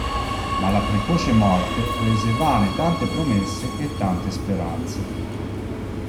Ma la precoce morte rese vane tante promesse e tante speranze.